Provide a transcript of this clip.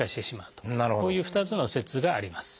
こういう２つの説があります。